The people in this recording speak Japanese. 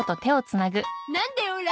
なんでオラ